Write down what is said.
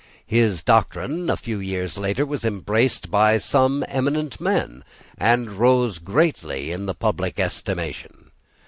His doctrine, a few years later, was embraced by some eminent men, and rose greatly in the public estimation.